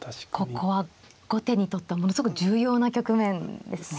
ここは後手にとってはものすごく重要な局面ですね。